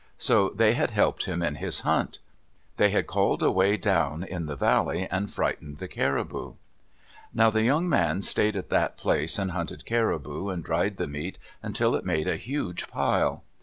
So they had helped him in his hunt. They had called away down in the valley and frightened the caribou. Now the young man stayed at that place and hunted caribou and dried the meat until it made a huge pile.